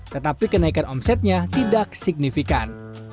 tetapi kenaikan omsetnya tidak signifikan